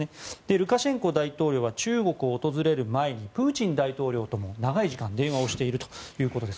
ルカシェンコ大統領は中国を訪れる前にプーチン大統領とも長い時間電話をしているということです。